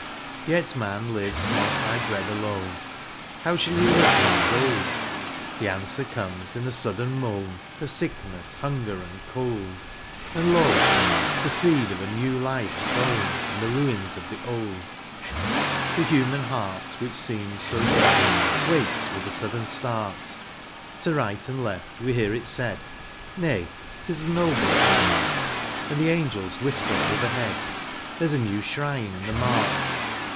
Yet man lives not by bread alone, — How shall he live by gold ? The answer comes in a sudden moan Of sickness, hunger, and cold ; And, lo ! the seed of a new life sown In the ruins of the old ! The human heart, which seemed so dead, Wakes with a sudden start ; To right and left we hear it said, " Nay; 'tis a noble heart," And the angels whisper overhead, " There's a new shrine in the mart